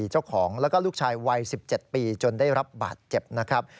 เจ้าของแล้วก็ลูกชายวัย๑๗ปีจนได้รับบาดเจ็บนะครับ